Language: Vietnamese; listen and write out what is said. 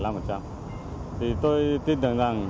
sau khi chúng ta tuyên truyền được sáu tháng